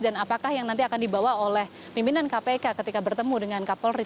dan apakah yang nanti akan dibawa oleh pimpinan kpk ketika bertemu dengan kapolri